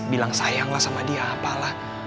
bilang sayang lah sama dia apalah